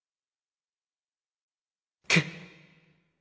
け。